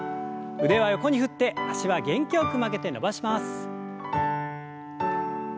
腕は横に振って脚は元気よく曲げて伸ばします。